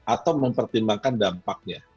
atau mempertimbangkan dampaknya